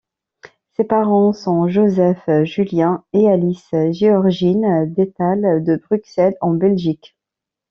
Ses parents sont Joseph Julien et Alice Georgine Detal, de Bruxelles en Belgique.